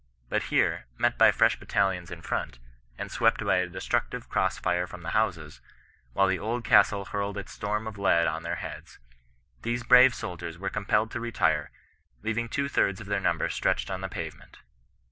But here, met by fresh battalions in front, and swept by a destructive cross fire &om the houses, while the old castle hurled its storm of lead on their heads^ these brave soldiers were compelled to retire, leaving two thirds of their number stretched on the pavement.